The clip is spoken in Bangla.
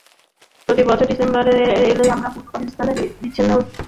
প্রতিবছর ডিসেম্বর এলেই আমরা পূর্ব পাকিস্তানের বিচ্ছিন্ন হওয়ার বিষয়টি নিয়ে আলোচনা করি।